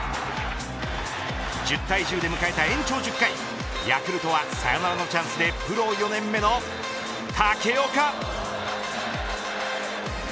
１０対１０で迎えた延長１０回ヤクルトはサヨナラのチャンスでプロ４年目の武岡。